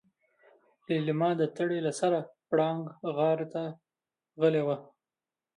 ليلما د تړې له سره پړانګ غار ته غلې وه.